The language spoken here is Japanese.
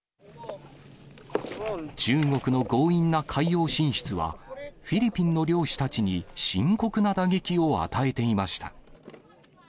中国の強引な海洋進出は、フィリピンの漁師たちに深刻な打撃を与えていました。